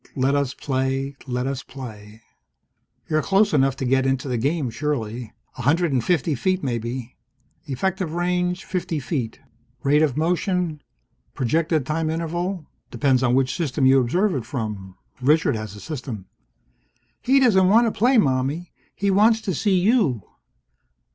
Let us play. Let us play. You're close enough to get into the game, surely. A hundred and fifty feet, maybe. Effective range, fifty feet. Rate of motion? Projected time interval? Depends on which system you observe it from. Richard has a system. "He doesn't want to play, Mommie. He wants to see you!"